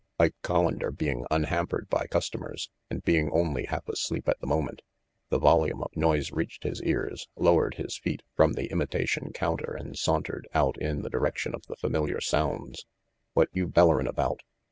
Ike Collander, being unhampered by customers, and being only half asleep at the moment the volume of noise reached his ears, lowered his feet from the imitation counter and sauntered out in the direction of the familiar sounds. "What you bellerin' about?"